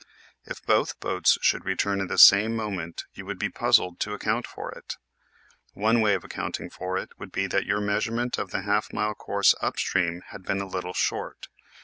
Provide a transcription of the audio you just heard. If both boats should return at the same moment you would be puzzled to account for it. One way of accounting for it would be that your measurement of the half mile course up stream had been a little short.